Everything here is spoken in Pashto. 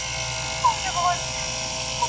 د مقالي ژبه باید خپله شاګرد سمه کړي.